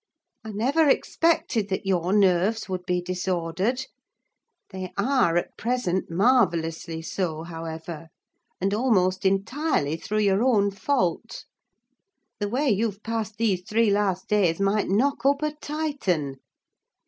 I never expected that your nerves would be disordered: they are, at present, marvellously so, however; and almost entirely through your own fault. The way you've passed these three last days might knock up a Titan.